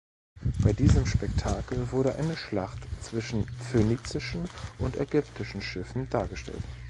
Bei diesem Spektakel wurde eine Schlacht zwischen phönizischen und ägyptischen Schiffen dargestellt.